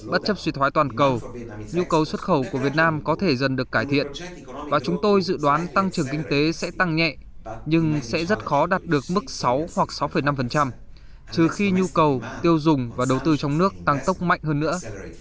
bất chấp suy thoái toàn cầu nhu cầu xuất khẩu của việt nam có thể dần được cải thiện và chúng tôi dự đoán tăng trưởng kinh tế sẽ tăng nhẹ nhưng sẽ rất khó đạt được mức sáu hoặc sáu năm trừ khi nhu cầu tiêu dùng và đầu tư trong nước tăng tốc mạnh hơn nữa